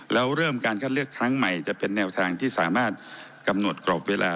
แล้วเริ่มการคัดเลือกครั้งใหม่จะเป็นแนวทางที่สามารถกำหนดกรอบเวลา